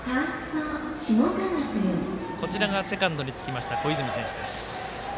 セカンドにつきました小泉選手です。